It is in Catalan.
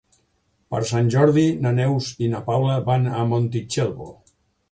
Per Sant Jordi na Neus i na Paula van a Montitxelvo.